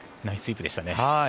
ナイススイープでしたね。